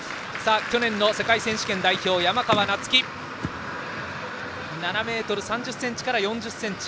去年の世界選手権代表の山川夏輝は７ｍ３０ｃｍから４０ｃｍ。